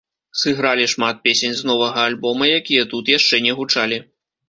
Сыгралі шмат песень з новага альбома, якія тут яшчэ не гучалі.